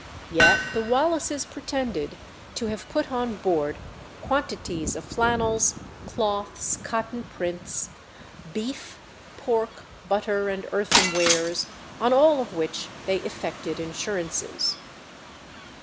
Yet the Wallaces pretended to have put on board quantities of flannels, cloths, cotton prints, beef, pork, butter, and earthenwares, on all of which they effected insurances.